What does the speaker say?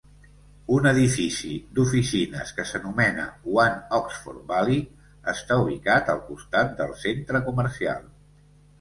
Un edifici d'oficines que s'anomena One Oxford Valley està ubicat al costat del centre comercial.